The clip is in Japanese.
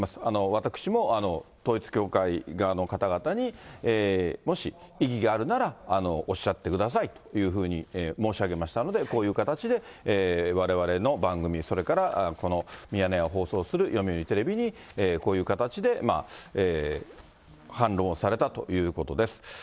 私も、統一教会側の方々に、もし異議があるなら、おっしゃってくださいというふうに申し上げましたので、こういう形でわれわれの番組、それからこのミヤネ屋を放送する読売テレビに、こういう形で反論をされたということです。